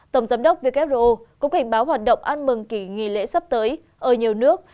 tổng giám đốc who cũng cảnh báo hoạt động an mừng kỳ nghỉ lễ sắp tới ở nhiều nước